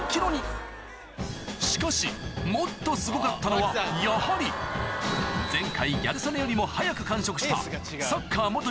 しかしもっとすごかったのはやはり前回ギャル曽根よりも早く完食した巻さん